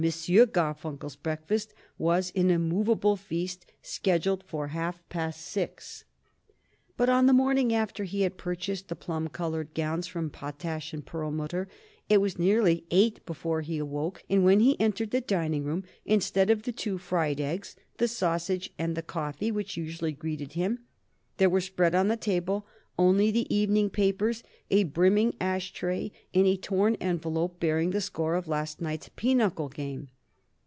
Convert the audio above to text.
Garfunkel's breakfast was an immovable feast, scheduled for half past six. But on the morning after he had purchased the plum color gowns from Potash & Perlmutter it was nearly eight before he awoke, and when he entered the dining room, instead of the two fried eggs, the sausage and the coffee which usually greeted him, there were spread on the table only the evening papers, a brimming ash tray and a torn envelope bearing the score of last night's pinochle game.